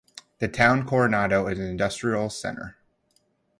The town Coronado is an industrial center.